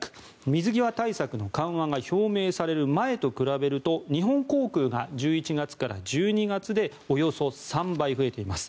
水際対策の緩和が表明される前と比べると日本航空が１１月から１２月でおよそ３倍増えています。